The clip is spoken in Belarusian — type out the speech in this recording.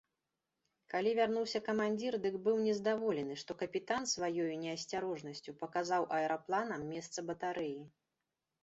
Калі вярнуўся камандзір, дык быў нездаволены, што капітан сваёю неасцярожнасцю паказаў аэрапланам месца батарэі.